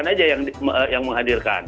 hanya pihak yang berkaitan saja yang menghadirkan